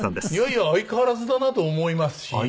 いやいや相変わらずだなと思いますし。